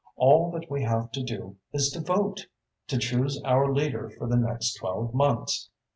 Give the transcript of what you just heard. All that we have to do is to vote, to choose our leader for the next twelve months.